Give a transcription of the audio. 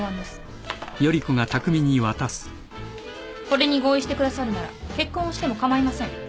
これに合意してくださるなら結婚をしても構いません。